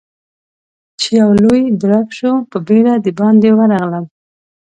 چې يو لوی درب شو، په بيړه د باندې ورغلم.